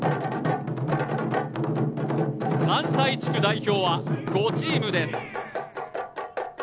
関西地区代表は５チームです。